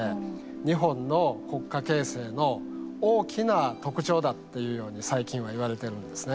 日本の国家形成の大きな特徴だっていうように最近は言われてるんですね。